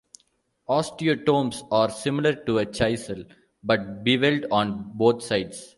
Osteotomes are similar to a chisel but bevelled on both sides.